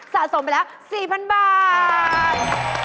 สะสมไปแล้ว๔๐๐๐บาท